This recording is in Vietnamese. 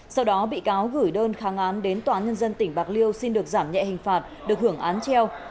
sau đó bị cáo gửi đơn kháng án đến tòa án nhân dân tỉnh bạc liêu xin được giảm nhẹ hình phạt được hưởng án treo